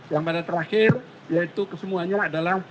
yang pada terakhir yaitu kesemuanya adalah